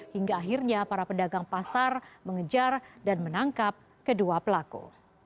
hingga akhirnya para pedagang pasar mengejar dan menangkap kedua pelaku